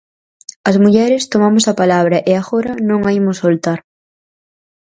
As mulleres tomamos a palabra e agora non a imos soltar.